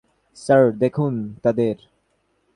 Sir, দেখুন তাদের।